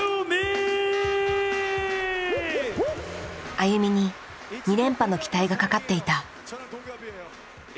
ＡＹＵＭＩに２連覇の期待がかかっていた。